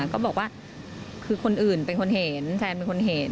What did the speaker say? ก็บอกว่าคือคนอื่นเป็นคนเห็นแฟนเป็นคนเห็น